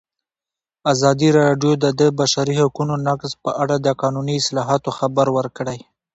ازادي راډیو د د بشري حقونو نقض په اړه د قانوني اصلاحاتو خبر ورکړی.